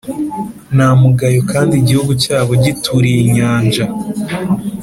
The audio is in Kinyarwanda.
Nta mugayo kandi igihugu cyabo gituriye inyanja